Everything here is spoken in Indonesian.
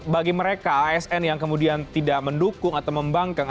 bagi mereka asn yang kemudian tidak mendukung atau membangkang